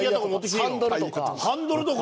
ハンドルとか！